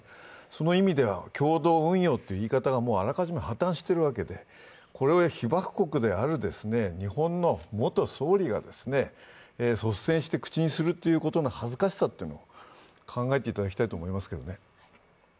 その意味では、共同運用という言い方があらかじめ破綻しているわけで、これを被爆国である日本の元総理が率先して口にするということの恥ずかしさというのを考えていただきたいと思いますけどね。